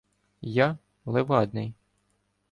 — Я — Левадний.